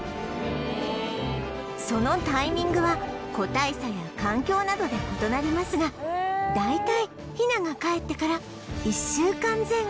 そのタイミングは個体差や環境などで異なりますが大体ヒナがかえってから１週間前後